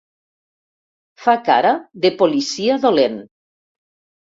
Fa cara de policia dolent.